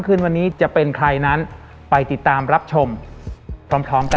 ขึ้นวันนี้จะเป็นใครนั้นไปติดตามรับชมพร้อมกัน